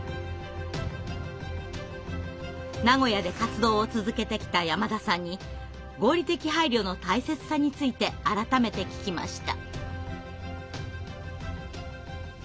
名古屋で活動を続けてきた山田さんに合理的配慮の大切さについて改めて聞きました。